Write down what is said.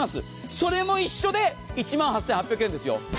それも一緒で１万８８００円ですよ。